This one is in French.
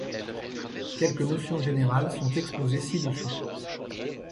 Quelques notions générales sont exposées ci-dessous.